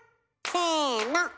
せの！